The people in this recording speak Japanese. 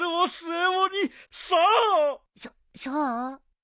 そっそう？